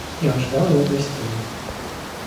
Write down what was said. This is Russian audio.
И он ждал ее в ее гостиной.